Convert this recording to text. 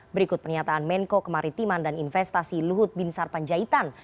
berikut pernyataan menko kemaritiman dan investasi luhut bin sarpanjaitan